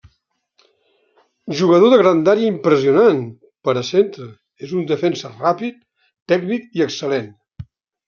Jugador de grandària impressionant per a centre, és un defensa ràpid, tècnic i excel·lent.